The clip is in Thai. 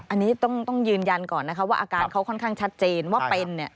อันนี้ต้องยืนยันก่อนนะคะว่าอาการเขาค่อนข้างชัดเจนว่าเป็นเนี่ย